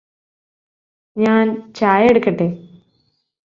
ഞാൻ ചായ എടുക്കട്ടേ?